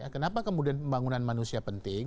kenapa kemudian pembangunan manusia penting